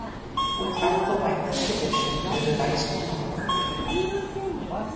Without the whitelist addition, the device will not work.